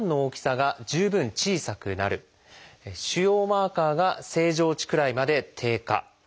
腫瘍マーカーが正常値くらいまで低下。